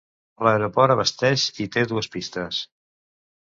L'aeroport abasteix i té dues pistes.